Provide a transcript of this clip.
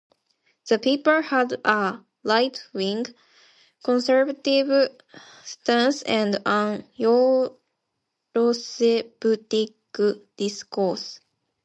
The paper had a rightwing, conservative stance and an Eurosceptic discourse.